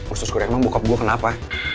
usus goreng emang bokap gue kenapa